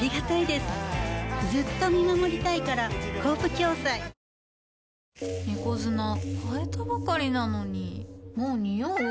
夏にピッタリ猫砂替えたばかりなのにもうニオう？